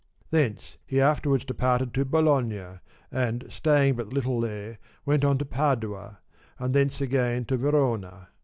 Thence he afterwards departed to Bologna, and staying but a little there, went on to Padua, and thence again to Verona.